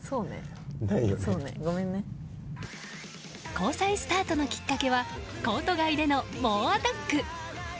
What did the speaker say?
交際スタートのきっかけはコート外での猛アタック。